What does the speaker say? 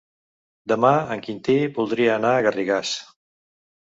Demà en Quintí voldria anar a Garrigàs.